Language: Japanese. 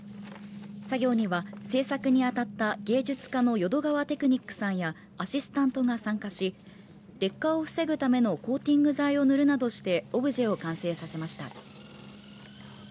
作業には製作にあたった芸術家の淀川テクニックさんやアシスタントが参加し劣化を防ぐためのコーティング剤を塗るなどしてオブジェを完成させました。